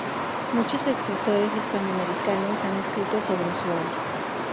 Muchos escritores hispanoamericanos han escrito sobre su obra.